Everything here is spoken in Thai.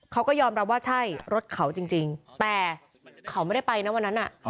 เขาก็ยอมรับว่าใช่รถเขาจริงแต่เขาไม่ได้ไปนะวันนั้น